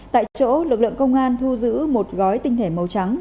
tại chỗ lực lượng công an thu giữ một gói tinh thể màu trắng